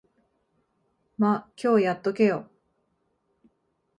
ま、今日やっとけよ。